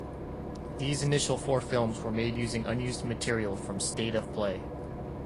These initial four films were made using unused material from "State of Play".